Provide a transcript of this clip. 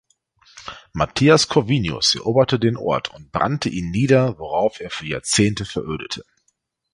Matthias Corvinus eroberte den Ort und brannte ihn nieder, worauf er für Jahrzehnte verödete.